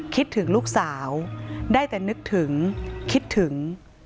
คิดถึงลูกสาวได้แต่นึกถึงคิดถึง